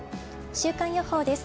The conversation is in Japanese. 週間予報です。